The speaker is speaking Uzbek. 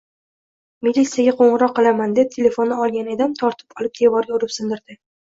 Milisiyaga qo`ng`iroq qilaman deb telefonni olgan edim, tortib olib devarga urib sindirdi